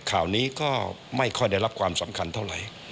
ข่าวนี้ก็ไม่ค่อยได้รับความสำคัญเท่าไหร่